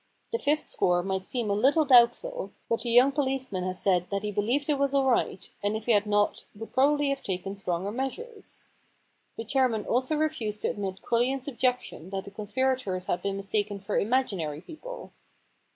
The fifth score might seem a little doubtful, but the young policeman has said that he believed it was all right, and if he had not would probably have taken stronger measures. The chairman also re fused to admit Quillian's objection that the conspirators had been mistaken for imaginary people.